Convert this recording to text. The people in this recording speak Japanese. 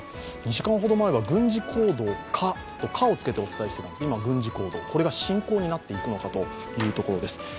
２時間ほど前は軍事行動かと「か」をつけてお伝えしていたんですが、今、軍事行動、これが侵攻になっていくのかというところです。